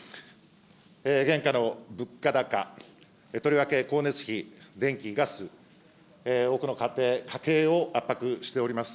現下の物価高、とりわけ光熱費、電気、ガス、多くの家庭、家計を圧迫しております。